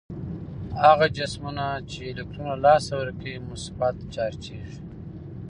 هغه جسمونه چې الکترون له لاسه ورکوي مثبت چارجیږي.